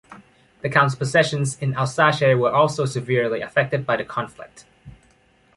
The count's possessions in Alsace were also severely affected by the conflict.